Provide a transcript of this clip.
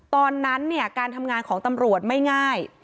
ตอนนั้นเนี่ยการทำงานของตำรวจไม่ง่าย